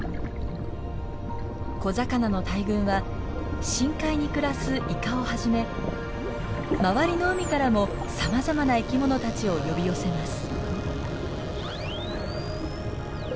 小魚の大群は深海に暮らすイカをはじめ周りの海からもさまざまな生きものたちを呼び寄せます。